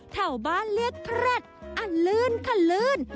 เถ่าบ้านเรียกแพร่ดอ่ะลื่นค่ะลื่น